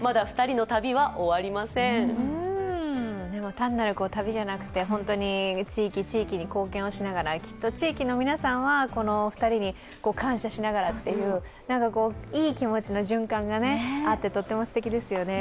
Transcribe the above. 単なる旅じゃなくて地域地域に貢献をしながらきっと地域の皆さんは、この２人に感謝しながらっていういい気持ちの循環があってとてもすてきですよね。